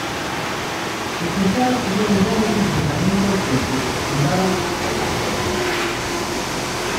Sus hinchadas tuvieron grandes enfrentamientos desde que se fundaron hasta la actualidad.